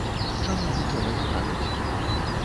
Чаму нічога не кажаце?